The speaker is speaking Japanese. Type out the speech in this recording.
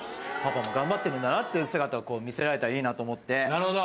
なるほど。